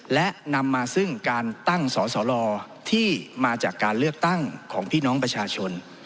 และนำมาซึ่งการตั้งสสลที่มาจากการเลือกตั้งของพี่น้องประชาชน